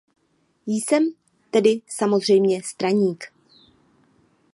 Jsem tedy samozřejmě straník.